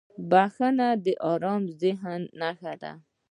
• بخښنه د آرام ذهن نښه ده.